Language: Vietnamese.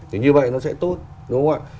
thì như vậy nó sẽ tốt đúng không ạ